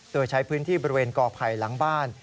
โดยใช้พื้นที่บริเวณกอไผ่หลังบ้าน